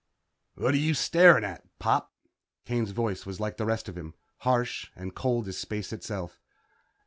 "What are you staring at, Pop?" Kane's voice was like the rest of him. Harsh and cold as space itself.